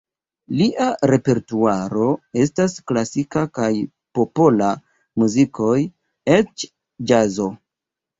Lia repertuaro estas klasika kaj popola muzikoj, eĉ ĵazo.